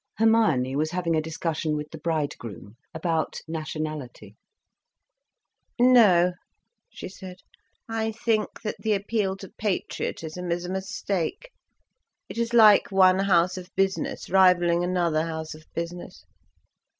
Hermione was having a discussion with the bridegroom about nationality. "No," she said, "I think that the appeal to patriotism is a mistake. It is like one house of business rivalling another house of business."